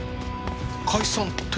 解散って？